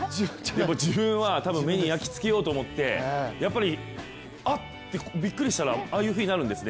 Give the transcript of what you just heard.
自分は多分目に焼き付けようと思って、やっぱりあっ、ってびっくりしたら、ああいうふうになるんですね。